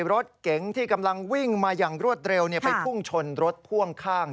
รถเก๋งที่กำลังวิ่งมาอย่างรวดเร็วไปพุ่งชนรถพ่วงข้าง